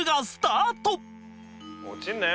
落ちんなよ